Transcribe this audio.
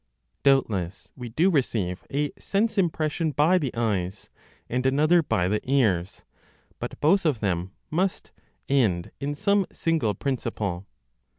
Doubtless we do receive a sense impression by the eyes, and another by the ears; but both of them must end in some single principle.